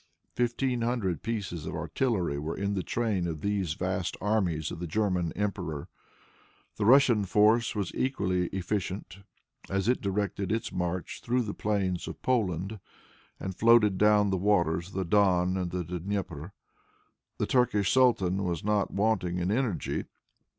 Fifteen hundred pieces of artillery were in the train of these vast armies of the German emperor. The Russian force was equally efficient, as it directed its march through the plains of Poland, and floated down upon the waters of the Don and the Dnieper. The Turkish sultan was not wanting in energy.